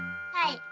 はい。